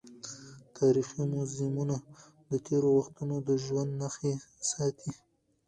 تاریخي موزیمونه د تېرو وختونو د ژوند نښې ساتي.